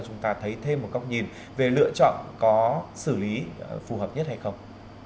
quý vị thấy thêm một góc nhìn về lựa chọn có xử lý phù hợp nhất hay không